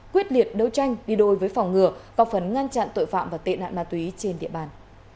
quyết liệt đấu tranh đi đôi với phòng ngừa góp phần ngăn chặn tội phạm và tệ nạn ma túy trên địa bàn